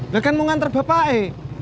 lekan mau ngantre bapak eh